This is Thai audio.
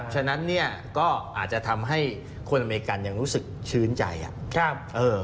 ฉะนั้นเนี่ยก็อาจจะทำให้คนอเมริกันยังรู้สึกชื้นใจ